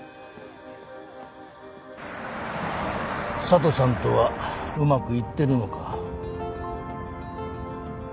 佐都さんとはうまくいってるのか？